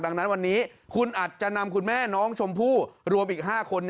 ดังนั้นวันนี้คุณอาจจะนำคุณแม่น้องชมพู่รวมอีก๕คน